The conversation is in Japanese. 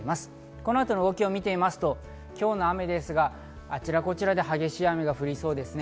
この後の動きを見ると、今日の雨ですが、あちらこちらで激しい雨が降りそうですね。